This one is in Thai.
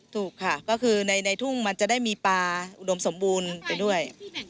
ถูกค่ะก็คือในทุ่งมันจะได้มีปลาอุดมสมบูรณ์ไปด้วย